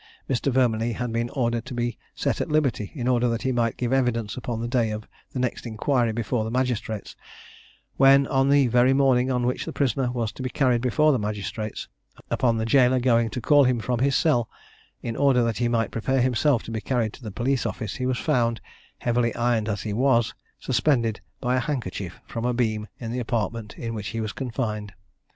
Mr. Vermillee had been ordered to be set at liberty, in order that he might give evidence upon the day of the next inquiry before the magistrates, when, on the very morning on which the prisoner was to be carried before the magistrates, upon the gaoler going to call him from his cell, in order that he might prepare himself to be carried to the Police Office, he was found, heavily ironed as he was, suspended by a handkerchief from a beam in the apartment in which he was confined.